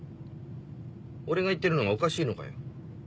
俺が言ってるのがおかしいのかよ？